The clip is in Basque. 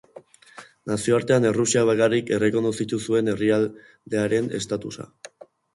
Nazioartean Errusiak bakarrik errekonozitu zuen herrialdearen estatusa.